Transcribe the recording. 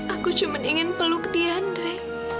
aku cuma ingin peluk dia andre